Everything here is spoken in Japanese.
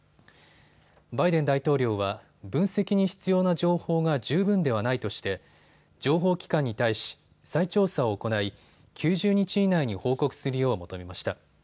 バイデン大統領は分析に必要な情報が十分ではないとして情報機関に対し再調査を行い９０日以内に報告するよう求めました。